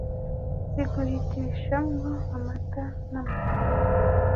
Ziguhitisha mwo amata n'amagara,